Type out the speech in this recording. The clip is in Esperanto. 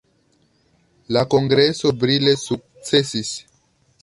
La Kongreso brile sukcesis.